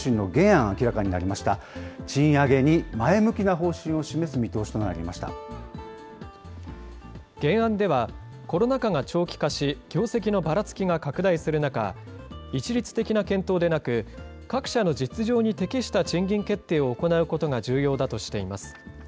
原案では、コロナ禍が長期化し、業績のばらつきが拡大する中、一律的な検討でなく、各社の実情に適した賃金決定を行うことが重要だとしています。